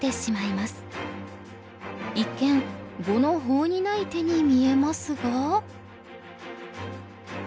一見碁の法にない手に見えますが？